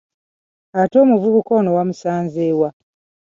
Ate omuvubuka ono wamusanze wa?